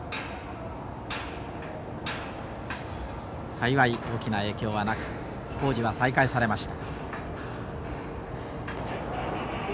幸い大きな影響はなく工事は再開されました。